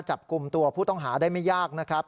จับกลุ่มตัวผู้ต้องหาได้ไม่ยากนะครับ